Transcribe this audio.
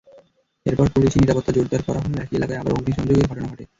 এরপর পুলিশি নিরাপত্তা জোরদার করা হলেও একই এলাকায় আবারও অগ্নিসংযোগের ঘটনা ঘটে।